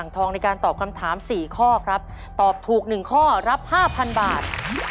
ตอบถูกสามข้อรับหนึ่งแสนบาท